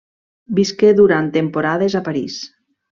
Visqué durant temporades a París.